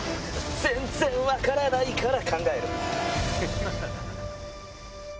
全然分からないから考える。